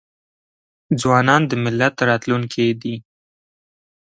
ځوانان د ملت راتلونکې دي.